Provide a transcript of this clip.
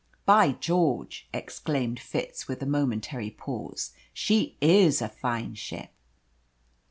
"By George!" exclaimed Fitz, after a momentary pause, "she IS a fine ship!"